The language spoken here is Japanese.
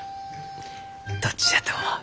どっちじゃと思う？